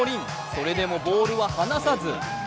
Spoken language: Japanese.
それでもボールは離さず。